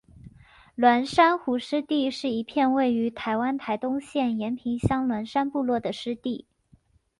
鸾山湖湿地是一片位于台湾台东县延平乡鸾山部落的湿地。